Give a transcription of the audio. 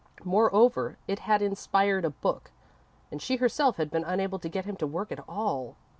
Moreover, it had inspired a book, and she herself had been unable to get him to work at all.